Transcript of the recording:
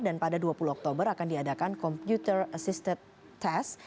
dan pada dua puluh oktober akan diadakan computer assisted test